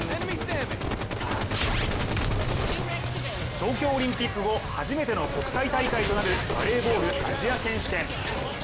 東京オリンピック後初めての国際大会となるバレーボールアジア選手権。